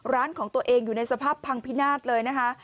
ของตัวเองอยู่ในสภาพพังพินาศเลยนะคะ